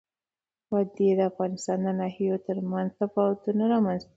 وادي د افغانستان د ناحیو ترمنځ تفاوتونه رامنځ ته کوي.